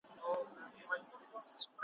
خزانونه رخصتیږي نوبهار په سترګو وینم ,